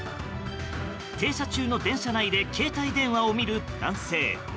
停車中の電車内で携帯電話を見る男性。